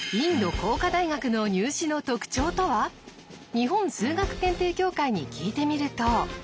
日本数学検定協会に聞いてみると。